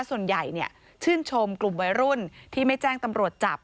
ส่วนใหญ่ชื่นชมกลุ่มวัยรุ่นที่ไม่แจ้งตำรวจจับ